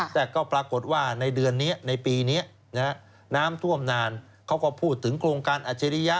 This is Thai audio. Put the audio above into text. แต่ก็ปรากฏว่าในเดือนนี้ในปีนี้น้ำท่วมนานเขาก็พูดถึงโครงการอัจฉริยะ